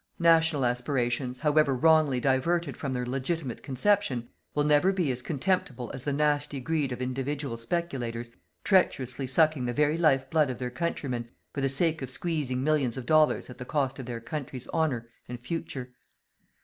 National aspirations, however wrongly diverted from their legitimate conception, will never be as contemptible as the nasty greed of individual speculators treacherously sucking the very life blood of their countrymen for the sake of squeezing millions of dollars at the cost of their country's honour and future.